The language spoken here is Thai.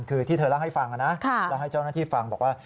คือที่เธอเล่าให้ฟังนะเล่าให้เจ้าหน้าที่ฟังบอกว่า